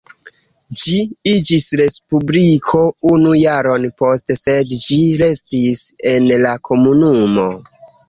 Ĝi iĝis respubliko unu jaron poste sed ĝi restis en la Komunumo.